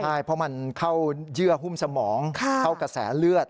ใช่เพราะมันเข้าเยื่อหุ้มสมองเข้ากระแสเลือด